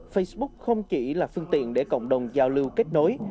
facebook không chỉ là phương tiện để cộng đồng giao lưu kết nối